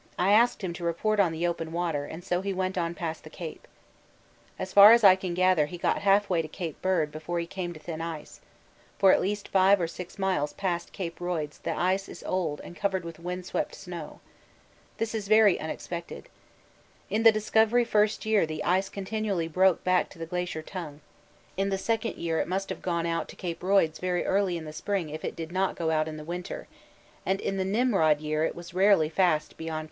I asked him to report on the open water, and so he went on past the Cape. As far as I can gather he got half way to C. Bird before he came to thin ice; for at least 5 or 6 miles past C. Royds the ice is old and covered with wind swept snow. This is very unexpected. In the Discovery first year the ice continually broke back to the Glacier Tongue: in the second year it must have gone out to C. Royds very early in the spring if it did not go out in the winter, and in the Nimrod year it was rarely fast beyond C.